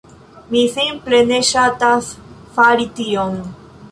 mi simple ne ŝatas fari tion.